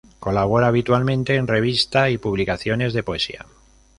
Colabora habitualmente en revista y publicaciones de poesía.